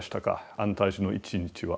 安泰寺の一日は。